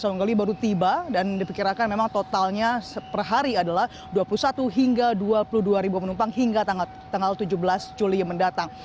saunggali baru tiba dan diperkirakan memang totalnya per hari adalah dua puluh satu hingga dua puluh dua ribu penumpang hingga tanggal tujuh belas juli mendatang